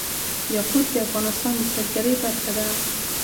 یاقوت د افغانستان د سیلګرۍ برخه ده.